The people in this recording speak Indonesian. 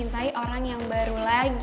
mencintai orang yang baru lagi